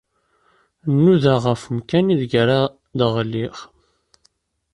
Nudaɣ ɣef umkan ideg ara d-ɣliɣ.